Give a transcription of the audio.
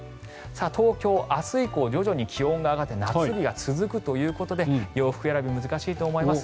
東京、明日以降徐々に気温が上がって夏日が続くということで洋服選び難しいと思います。